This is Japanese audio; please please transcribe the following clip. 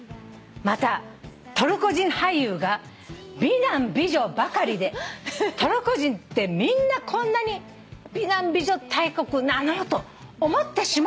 「またトルコ人俳優が美男美女ばかりでトルコ人ってみんなこんなに美男美女大国なの！？と思ってしまうほどです」